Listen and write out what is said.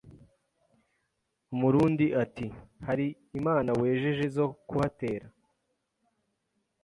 Umurundi ati “Hari imana wejeje zo kuhatera?